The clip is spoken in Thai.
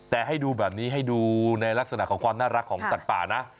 แต่ให้ดูแบบนี้ให้ดูในลักษณะของความน่ารักของสัตว์ป่านะ